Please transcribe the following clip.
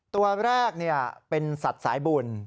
ตัวแรกเป็นสัตว์สายบุญ